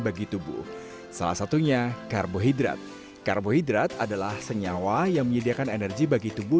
bagi tubuh salah satunya karbohidrat karbohidrat adalah senyawa yang menyediakan energi bagi tubuh